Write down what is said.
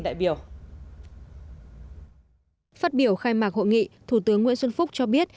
đại biểu khai mạc hội nghị thủ tướng nguyễn xuân phúc cho biết